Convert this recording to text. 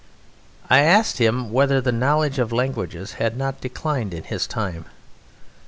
I asked him whether the knowledge of languages had not declined in his time.